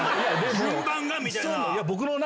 順番が！みたいな。